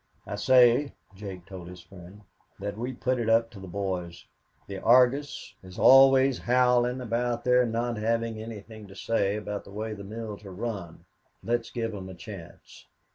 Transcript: "I say," Jake told his friend, "that we put it up to the boys. The Argus is always howling about their not having anything to say about the way the mills are run; let's give 'em a chance.